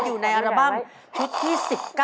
อยู่ในอัลบั้มชุดที่๑๙